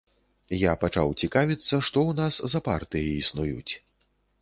Я пачаў цікавіцца, што ў нас за партыі існуюць.